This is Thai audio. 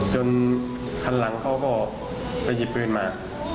คันหลังเขาก็ไปหยิบปืนมา